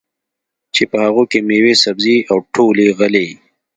چې په هغو کې مېوې، سبزۍ او ټولې غلې